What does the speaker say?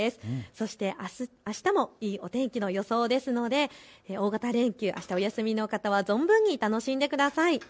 そしてあしたもいいお天気の予想ですので大型連休、あしたお休みの方は存分に楽しんでください。